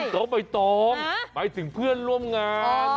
น้องใบตองไปถึงเพื่อนร่วมงาน